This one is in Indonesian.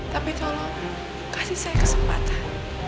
tapi tolong kasih saya kesempatan